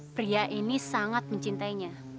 pria ini sangat mencintainya